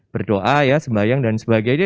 berdoa ya sembayang dan sebagainya